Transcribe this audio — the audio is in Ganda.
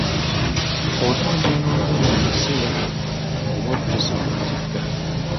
Bwotambula n'ogenda mu kaseera kano oba otulese mu matigga.